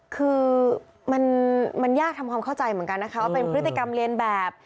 คือมันยากทำความเข้าใจเหมือนกันนะคะว่าเป็นพฤติกรรมเรียนแบบ